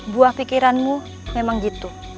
buah pikiranmu memang gitu